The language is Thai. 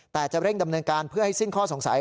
แต่จะเร่งดำเนินการเพื่อให้สิ้นข้อสงสัย